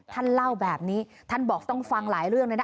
ท่านเล่าแบบนี้ท่านบอกต้องฟังหลายเรื่องเลยนะ